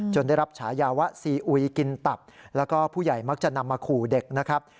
ได้รับฉายาว่าซีอุยกินตับแล้วก็ผู้ใหญ่มักจะนำมาขู่เด็กนะครับ